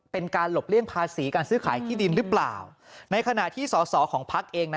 เป็นการหลบเลี่ยงภาษีการซื้อข่ายขี้ดินรึเปล่าในนักขณะที่สอของภักรณ์เอง